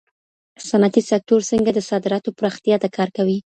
صنعتي سکتور څنګه د صادراتو پراختیا ته کار کوي؟